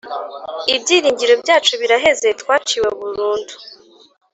ibyiringiro byacu biraheze twaciwe burundu